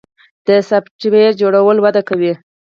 د سافټویر جوړول وده کوي